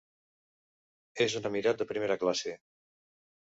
És un emirat de primera classe.